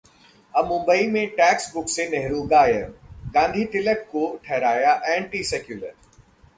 अब मुंबई में text book से नेहरू गायब, गांधी-तिलक को ठहराया 'एंटी सेक्युलर'